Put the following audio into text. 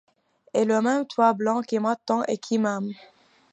Et le même toit blanc qui m'attend et qui m'aime